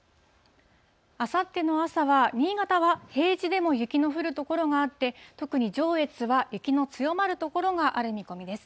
あさっての朝は、新潟は平地でも雪の降る所があって、特に上越は雪の強まる所がある見込みです。